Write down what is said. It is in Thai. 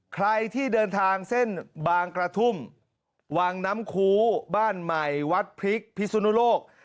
ใครที่เดินทางเส้นบางกระทุ่มวังน้ำคูบ้านใหม่วัดพริกพิสุนุโลก